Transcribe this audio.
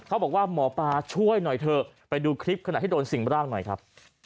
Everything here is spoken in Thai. หมอปลาช่วยหน่อยเถอะไปดูคลิปขณะที่โดนสิ่งร่างหน่อยครับ